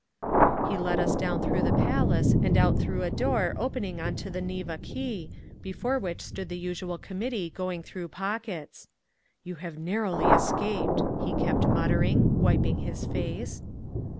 He led us down through the Palace and out through a door opening onto the Neva quay, before which stood the usual committee going through pockets… "You have narrowly escaped," he kept muttering, wiping his face.